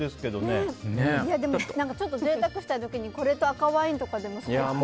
ちょっと贅沢したい時にこれと赤ワインとかでも。